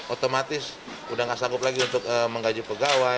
otomatis sudah tidak sanggup lagi untuk menggaji pegawai